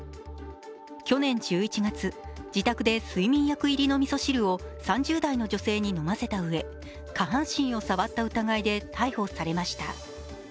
去年１１月、自宅で睡眠薬入りのみそ汁を３０代の女性に飲ませたうえ下半身を触った疑いで逮捕されました。